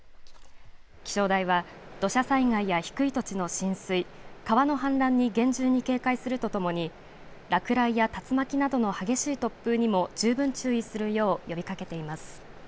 気象台は土砂災害や低い土地の浸水川の氾濫に厳重に警戒するとともに落雷や竜巻などの激しい突風にも十分注意するよう呼びかけています。